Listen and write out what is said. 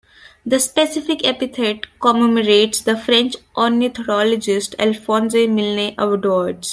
The specific epithet commemorates the French ornithologist Alphonse Milne-Edwards.